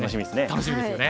楽しみですよね。